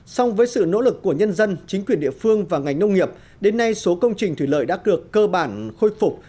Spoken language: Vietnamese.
song với sự nỗ lực của nhân dân chính quyền địa phương và ngành nông nghiệp đến nay số công trình thủy lợi đã được cơ bản khôi phục